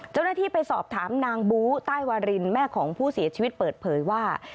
เจ้าหน้าที่ไปสอบถามนางบูใต้วารินแม่ของผู้เสียชีวิตเปิดเผยว่า